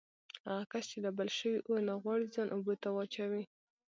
هغه کس چې له بل شوي اور نه غواړي ځان اوبو ته واچوي.